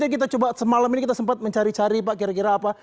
jadi kita coba semalam ini kita sempat mencari cari pak kira kira apa